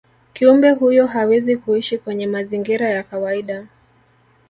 kiumbe huyo hawezi kuishi kwenye mazingira ya kawaida